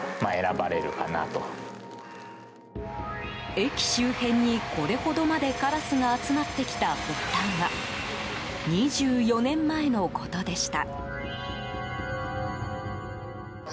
駅周辺に、これほどまでカラスが集まってきた発端は２４年前のことでした。